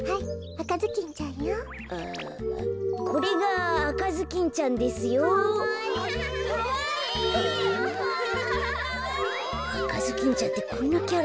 あかずきんちゃんってこんなキャラだったっけ？